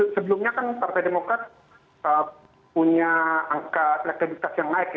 sebelumnya kan partai demokrat punya angka elektabilitas yang naik